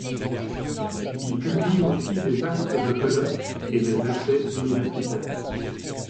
Il publie aussi des actes de colloques et des essais universitaires.